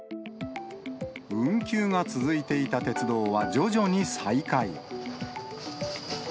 運休が続いていた鉄道は、徐々に再開。